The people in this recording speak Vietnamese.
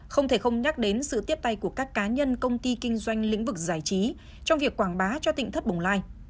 không thể không nhắc đến sự tiếp tay của các cá nhân công ty kinh doanh lĩnh vực giải trí trong việc quảng bá cho thịnh thất bồng lai